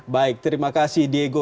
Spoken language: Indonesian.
baik terima kasih diego